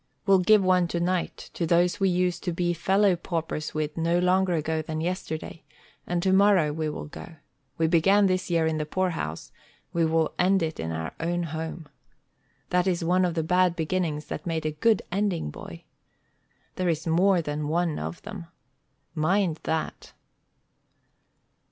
We'll give one tonight to those we used to be fellow paupers with no longer ago than yesterday, and tomorrow we will go. We began this year in the poorhouse; we will end it in our own home. That is one of the bad beginnings that made a good ending, boy. There is more than one of them. Mind that."